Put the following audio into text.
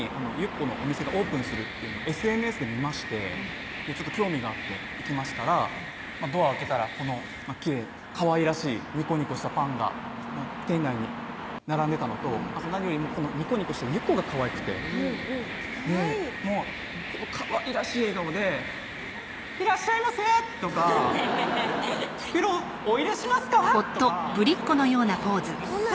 このお店がオープンするっていうのをＳＮＳで見ましてちょっと興味があって行きましたらドア開けたらこのきれいなかわいらしいニコニコしたパンが店内に並んでたのとあと何よりもこのニコニコしたゆっこがかわいくてうんうんかわいいこのかわいらしい笑顔で「いらっしゃいませ」とか「袋お入れしますか？」とかそんなん？